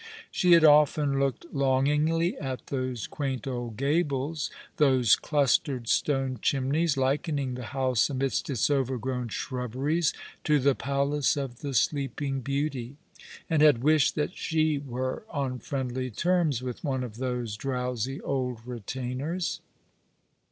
She had often looked longingly at those quaint old gables, those clustered stone chimneys, likening the house amidst its overgrown shrubberies to the Palace of the Sleeping Beauty, and had wished that she were on friendly terms with one of those drowsy old retainers.